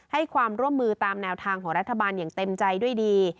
ให้ความร่วมมือตามแนวทางของรัฐบาลอย่างเต็มใจด้วยดี